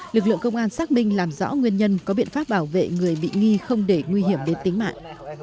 lực lượng công an xác minh làm rõ nguyên nhân có biện pháp bảo vệ người bị nghi không để nguy hiểm đến tính mạng